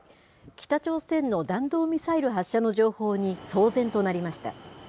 北朝鮮の弾道ミサイル発射の情報に騒然となりました。